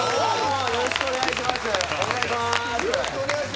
よろしくお願いします。